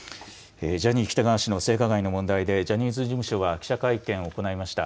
ジャニー喜多川氏の性加害の問題でジャニーズ事務所は記者会見を行いました。